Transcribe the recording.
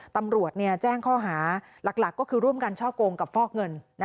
ตำรวจแจ้งข้อหาหลักก็คือร่วมกันช่อกงกับฟอกเงิน